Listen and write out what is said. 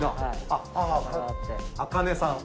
あかねさん